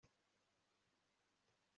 azenguruka ibihugu by'amahanga